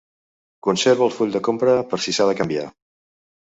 Conserva el full de compra per si s'ha de canviar.